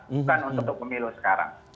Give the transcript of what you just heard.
bukan untuk pemilu sekarang